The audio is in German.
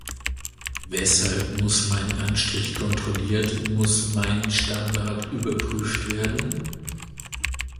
Weshalb muss mein Anstrich kontrolliert, muss mein Standard überprüft werden?